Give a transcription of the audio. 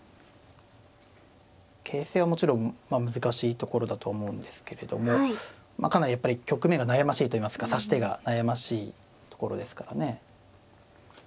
形勢はもちろんまあ難しいところだと思うんですけれどもかなりやっぱり局面が悩ましいといいますか指し手が悩ましいところですからね。